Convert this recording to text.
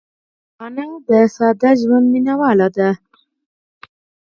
انا د ساده ژوند مینهواله ده